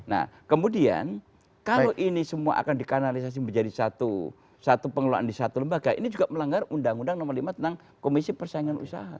nah kemudian kalau ini semua akan dikanalisasi menjadi satu pengelolaan di satu lembaga ini juga melanggar undang undang nomor lima tentang komisi persaingan usaha